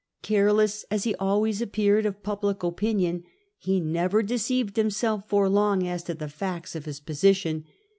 Careless as he always appeared of public opinion, he never deceived himself for long as to the facts of his position.